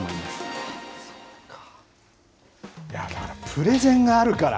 プレゼンがあるから。